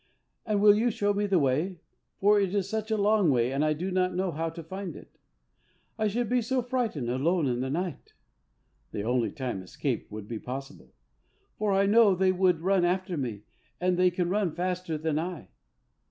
and will you show me the way, for it is such a long way and I do not know how to find it? I should be so frightened, alone in the night" (the only time escape would be possible), "for I know they would run after me, and they can run faster than I!"